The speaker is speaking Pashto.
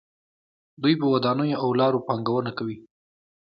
دوی په ودانیو او لارو پانګونه کوي.